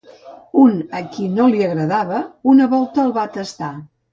Un a qui no li agradava, una volta el va tastar;